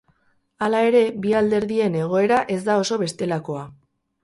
Hala ere, bi alderdien egoera ez da oso bestelakoa.